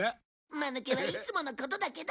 マヌケはいつものことだけど！